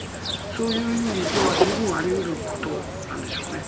そういう意味では十分あり得ることなんでしょうね。